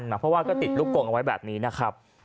เพราะว่าก็ติดลูกกงเอาไว้แบบนี้นะครับ